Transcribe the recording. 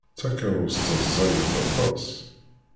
Takeṛṛust-a ẓẓayet aṭas.